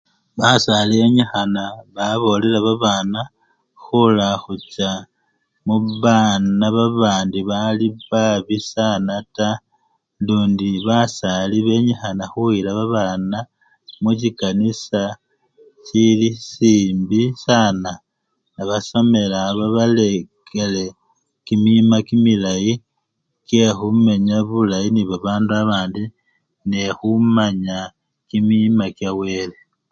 Basali benyikhana babolela babana, khula khucha mubana babandi bali babi sana taa lundi basali benyikhana khuyila babana muchikanisa chili simbii sana nebasomela babalekele kimima kimilayi kyekhumenya bulayi nebabandu babandi nende khumanya kimima kyawele.